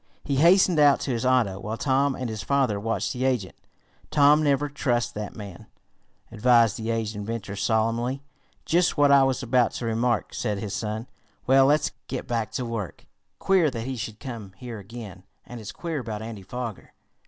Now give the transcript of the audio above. He hastened out to his auto, while Tom and his father watched the agent. "Tom, never trust that man," advised the aged inventor solemnly. "Just what I was about to remark," said his son. "Well, let's get back to work. Queer that he should come here again, and it's queer about Andy Foger."